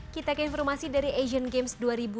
kita ke informasi dari asian games dua ribu delapan belas